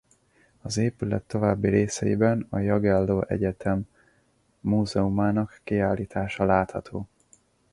Az épület további részeiben a Jagelló Egyetem Múzeumának kiállítása látható.